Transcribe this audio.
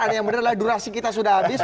adalah durasi kita sudah habis